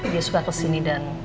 dia suka kesini dan